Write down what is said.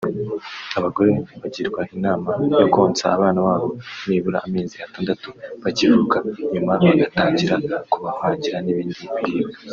Abagore bagirwa inama yo konsa abana babo nibura amezi atandatu bakivuka nyuma bagatangira kubavangira n’ibindi biribwa